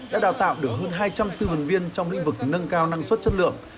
đã đào tạo được hơn hai trăm linh tư vấn viên trong lĩnh vực nâng cao năng suất chất lượng